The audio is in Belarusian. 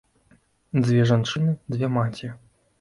Дзве жанчыны, дзве маці.